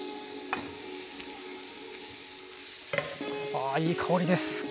あいい香りです。